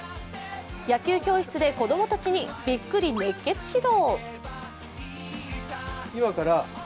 野球教室で子供たちにビックリ熱血指導。